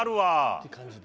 って感じで。